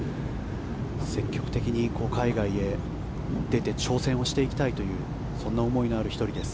積極的に海外へ出て挑戦をしていきたいというそんな思いのある１人です。